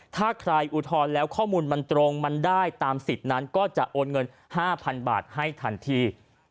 ถ้าใครอุทธรณ์แล้วข้อมูลมันตรงมันได้ตามสิทธิ์นั้นก็จะโอนเงิน๕๐๐๐บาทให้ทันที